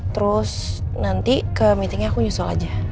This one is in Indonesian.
terus nanti ke meetingnya aku nyusul aja